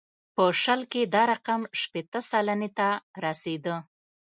په شل کې دا رقم شپېته سلنې ته رسېده.